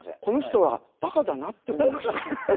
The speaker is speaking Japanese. この人はバカだなって思いました。